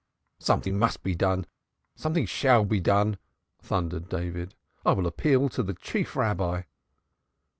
"Something must be done, something shall be done," thundered David. "I will appeal to the Chief Rabbi."